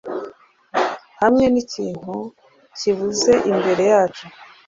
hamwe n'ikintu kibuze imbere yacu